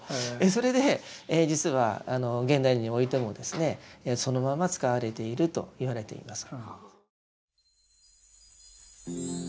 それで実は現代においてもですねそのまま使われているといわれています。